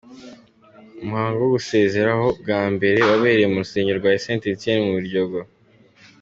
Umuhango wo kumusezeraho bwa nyuma wabereye mu rusengero rwa St Etienne mu Biryogo.